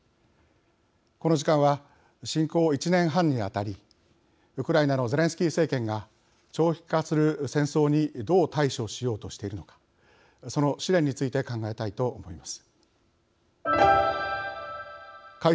この時間は侵攻１年半にあたりウクライナのゼレンスキー政権が長期化する戦争にどう対処しようとしているのかその試練について考えたいと思います。